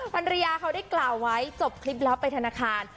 ภรรยาเขาได้กล่าวไว้จบคลิปลับไปธนาคาร